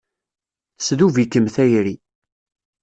Tesdub-ikem tayri.